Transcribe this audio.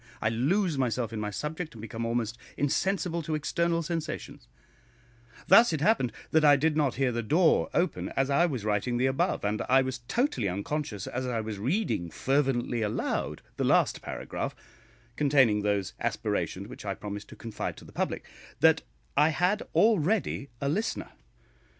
I lose myself in my subject, and become almost insensible to external sensations; thus it happened that I did not hear the door open as I was writing the above, and I was totally unconscious as I was reading fervently aloud the last paragraph, containing those aspirations which I promised to confide to the public, that I had already a listener.